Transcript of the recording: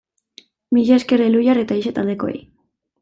Mila esker Elhuyar eta Ixa taldekoei!